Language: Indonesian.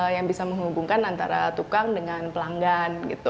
yang bisa menghubungkan antara tukang dengan pelanggan